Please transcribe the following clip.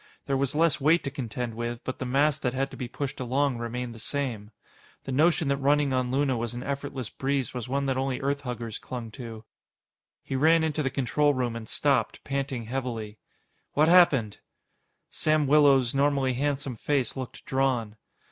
There was less weight to contend with, but the mass that had to be pushed along remained the same. The notion that running on Luna was an effortless breeze was one that only Earthhuggers clung to. He ran into the control room and stopped, panting heavily. "What ... happened?" Sam Willows' normally handsome face looked drawn.